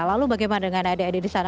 lalu bagaimana dengan adik adik di sana